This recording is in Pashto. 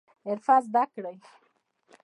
حرفه زده کړئ